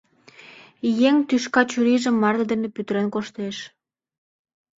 Еҥ тӱшка чурийжым марле дене пӱтырен коштеш.